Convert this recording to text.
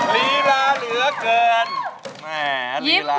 ลีราเหลือเกินแม่ลีราจริง